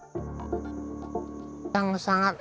penanganan wilayah pesisir utara jawa tengah